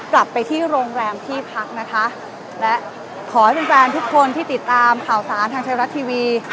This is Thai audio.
กลับไปที่โรงแรมที่พักนะคะและขอให้แฟนแฟนทุกคนที่ติดตามข่าวสารทางไทยรัฐทีวี